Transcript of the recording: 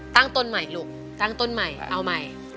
ตั้งต้นใหม่ลูกตั้งต้นใหม่เอาใหม่